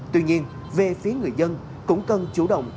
tuy nhiên về phía người dân cũng cần chủ động